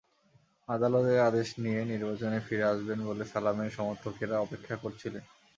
আদালতের আদেশ নিয়ে নির্বাচনে ফিরে আসবেন বলে সালামের সমর্থকেরা অপেক্ষা করছিলেন।